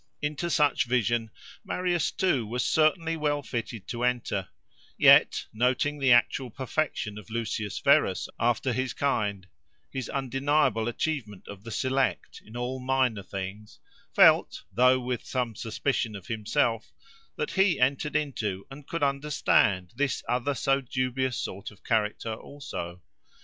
Into such vision Marius too was certainly well fitted to enter, yet, noting the actual perfection of Lucius Verus after his kind, his undeniable achievement of the select, in all minor things, felt, though with some suspicion of himself, that he entered into, and could understand, this other so dubious sort of character also.